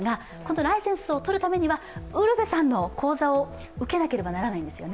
ライセンス取るためにはウルヴェさんの講座を受けなくてはいけないんですね。